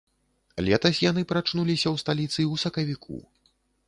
Летась яны прачнуліся ў сталіцы ў сакавіку.